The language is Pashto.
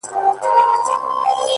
زه به د درد يوه بې درده فلسفه بيان کړم!